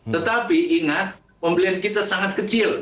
tetapi ingat pembelian kita sangat kecil